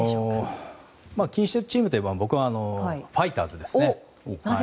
気にしているチームは僕は、ファイターズですね。